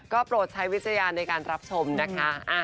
ก็โปรดใช้วิจารณในการรับชมนะคะ